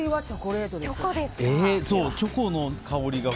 チョコの香りが。